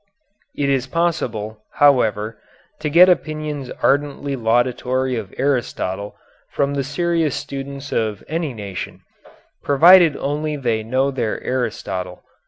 It is possible, however, to get opinions ardently laudatory of Aristotle from the serious students of any nation, provided only they know their Aristotle.